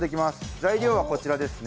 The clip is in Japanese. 材料はこちらですね。